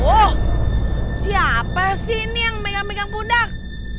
oh siapa sih ini yang megang megang pundak